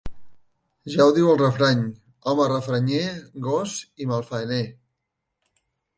Ja ho diu el refrany: “home refranyer, gos i malfaener”.